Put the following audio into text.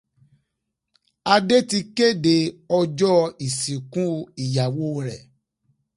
Adé ti kéde ọjọ́ ìsìnkú ìyàwó rẹ̀.